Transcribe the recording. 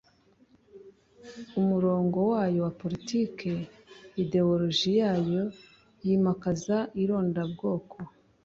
umurongo wayo wa politiki idewoloji yayo yimakaza irondabwoko